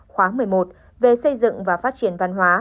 khóa một mươi một về xây dựng và phát triển văn hóa